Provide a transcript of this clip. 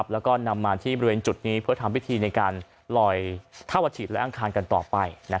แล้วก็นำมาที่บริเวณจุดนี้เพื่อทำพิธีในการลอยเท่าวจิตและอังคารกันต่อไป